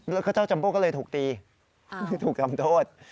แล้วก็เจ้าจัมโบ้ก็เลยถูกตีถูกทำโทษ